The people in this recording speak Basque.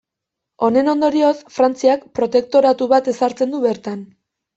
Honen ondorioz Frantziak protektoratu bat ezartzen du bertan.